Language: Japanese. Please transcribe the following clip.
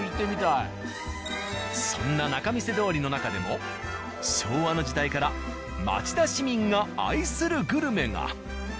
そんな仲見世通りの中でも昭和の時代から町田市民が愛するグルメが。